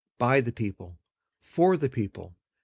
. .by the people. . .for the people. .